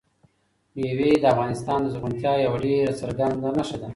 مېوې د افغانستان د زرغونتیا یوه ډېره څرګنده نښه ده.